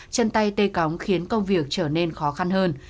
chân tay tê cóng khiến công việc trở nên khó khăn hơn